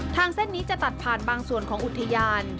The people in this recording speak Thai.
เส้นนี้จะตัดผ่านบางส่วนของอุทยาน